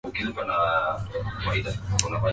mhitaji wa nane alichukuliwa na boti namba nne ya uokoaji